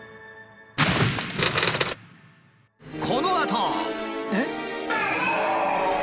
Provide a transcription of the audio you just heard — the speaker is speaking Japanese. このあと。